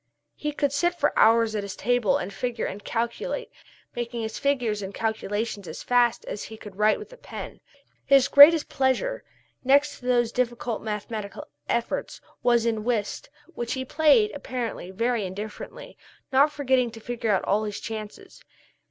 He could sit for hours at his table and figure and calculate, making his figures and calculations as fast as he could write with a pen. His greatest pleasure, next to these difficult mathematical efforts, was in "whist," which he played apparently very indifferently, not forgetting to figure out all his chances.